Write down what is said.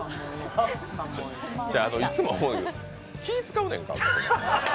いつも思うけど、気使うねんか。